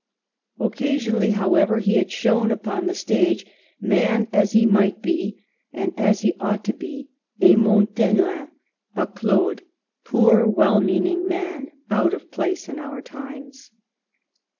Occasionally, however, he had shown upon the stage man as he might be, and as he ought to be, a Montaiglin, a Claude, ^'poor, well meaning man, out of place in our times."